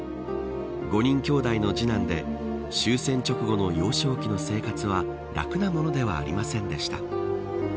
５人きょうだいの次男で終戦直後の幼少期の生活は楽なものではありませんでした。